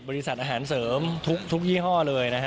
บริษัทอาหารเสริมทุกยี่ห้อเลยนะฮะ